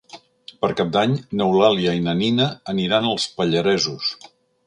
Per Cap d'Any n'Eulàlia i na Nina aniran als Pallaresos.